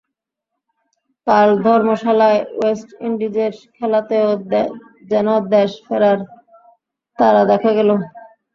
কাল ধর্মশালায় ওয়েস্ট ইন্ডিজের খেলাতেও যেন দেশে ফেরার তাড়া দেখা গেল।